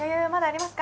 あります